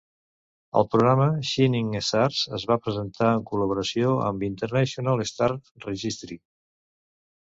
El programa Shining Stars es va presentar en col·laboració amb l'International Star Registry.